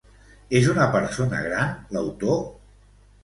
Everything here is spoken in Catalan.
És una persona gran l'autor?